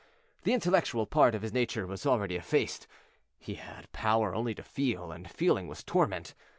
The intellectual part of his nature was already effaced; he had power only to feel, and feeling was torment.